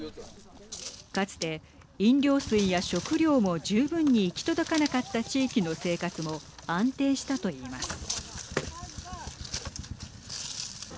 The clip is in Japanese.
かつて飲料水や食料も十分に行き届かなかった地域の生活も安定したといいます。